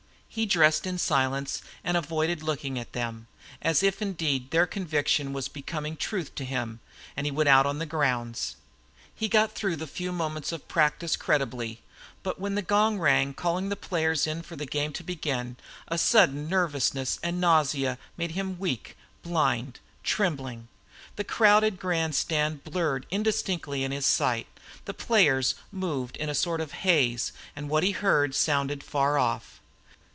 He dressed in silence, and avoided looking at them, as if indeed their conviction was becoming truth to him, and went out on the grounds. He got through the few moments of practice creditably, but when the gong rang calling the players in for the game to begin, a sudden nervousness and nausea made him weak, blind, trembling. The crowded grandstand blurred indistinctly in his sight. The players moved in a sort of haze, and what he heard sounded far off.